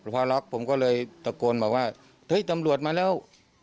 เผาแร็กผมก็เลยตะโกนเขาว่าเฮ้ยตำรวจมาแล้ว